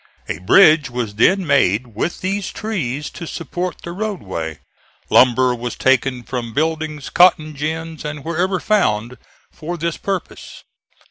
A bridge was then made with these trees to support the roadway. Lumber was taken from buildings, cotton gins and wherever found, for this purpose.